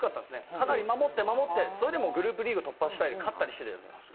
かなり守って、それでもグループリーグを突破したり、勝ったりしたりしてるじゃないですか。